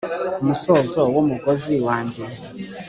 ku musozo wumugozi wanjye